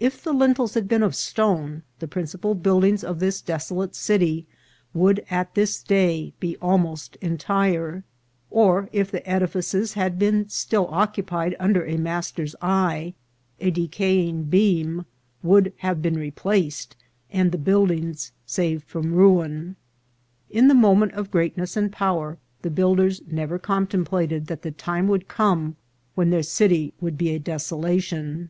If the lintels had been of stone, the principal buildings of this desolate city would at this day be almost entire ; or, if the edifices had been still occupied under a master's eye, a decaying beam would have been replaced, and the buildings saved from ruin. In the moment of greatness and power, the builders never contemplated that the time would come when their city would be a desolation.